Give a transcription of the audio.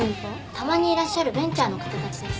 たまにいらっしゃるベンチャーの方たちです。